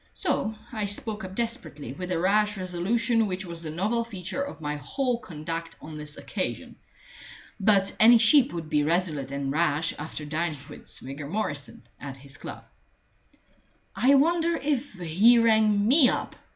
So I spoke up desperately, with the rash resolution which was the novel feature of my whole conduct on this occasion. But any sheep would be resolute and rash after dining with Swigger Morrison at his club. "I wonder if he rang me up?"